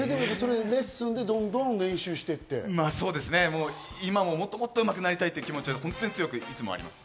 レッスンでどんどん練習してもっともっとうまくなりたいという気持ちが今もあります。